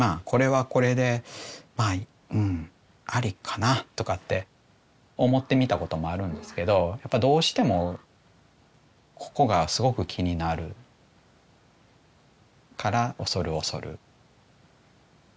「これはこれでうんありかな」とかって思ってみたこともあるんですけどやっぱどうしてもここがすごく気になるから恐る恐る。